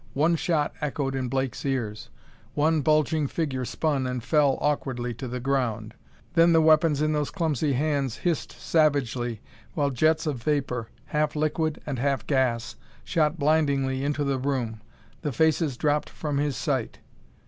One shot echoed in Blake's ears; one bulging figure spun and fell awkwardly to the ground; then the weapons in those clumsy hands hissed savagely while jets of vapor, half liquid and half gas, shot blindingly into the room. The faces dropped from his sight....